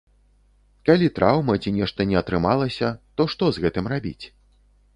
Калі траўма ці нешта не атрымалася, то што з гэтым рабіць?